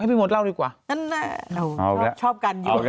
ให้พี่มดเล่าดีกว่าชอบกันอยู่